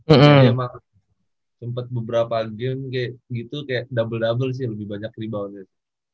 emang tempat beberapa june gitu kayak double double sih lebih banyak rebounder